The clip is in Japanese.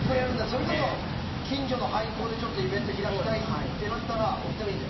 それこそ、近所の廃校でちょっとイベントを開きたいってなったらお二人で。